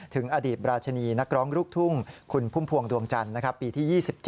ถึงอดีตราชนีนักร้องลูกทุ่งคุณพุ่มพวงดวงจันทร์ปีที่๒๗